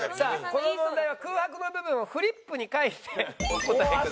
この問題は空白の部分をフリップに書いてお答えください。